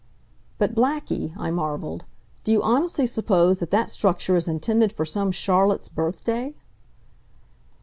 "But Blackie," I marveled, "do you honestly suppose that that structure is intended for some Charlotte's birthday?"